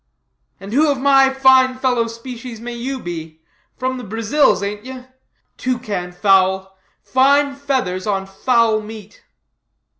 "And who of my fine fellow species may you be? From the Brazils, ain't you? Toucan fowl. Fine feathers on foul meat."